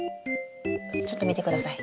ちょっと見てください。